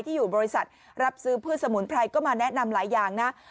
อยู่บริษัทรับซื้อพืชสมุนไพรก็มาแนะนำหลายอย่างนะ